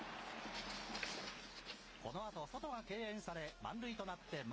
このあと、ソトが敬遠され、満塁となって牧。